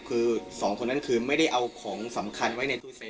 คือสองคนนั้นคือไม่ได้เอาของสำคัญไว้ในตู้เซฟ